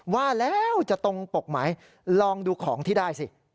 ว่าแล้วจะตรงปกไหมลองดูของที่ได้สิ